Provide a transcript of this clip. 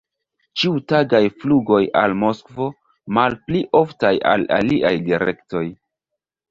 Ĉiutagaj flugoj al Moskvo, malpli oftaj al aliaj direktoj.